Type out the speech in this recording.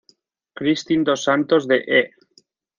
Kristin dos Santos de "E!